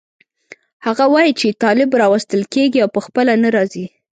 هغه وایي چې طالب راوستل کېږي او په خپله نه راځي.